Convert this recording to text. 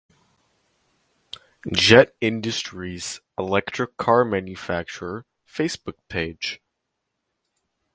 Jet Industries (Electric Car Manufacturer) Facebook page